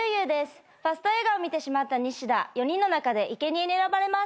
ファスト映画を見てしまったニシダ４人の中でいけにえに選ばれます。